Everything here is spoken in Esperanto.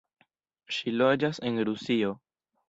Ŝi loĝas en Rusio.